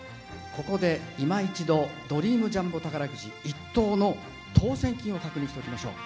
ここでいま一度ドリームジャンボ宝くじ１等の当せん金を確認しておきましょう。